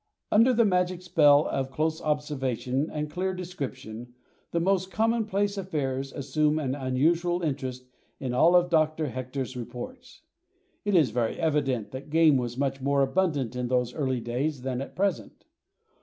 Under the magic spell of close observation and clear description, the most commonplace affairs assume an unusual interest in all of Dr. Hector's reports. It is very evident that game was much more abundant in those early days than at present.